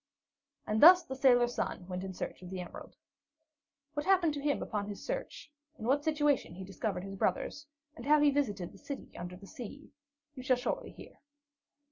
And thus the sailor son went in search of the Emerald. What happened to him upon his search, in what situation he discovered his brothers, and how he visited the City under the Sea, you shall shortly hear.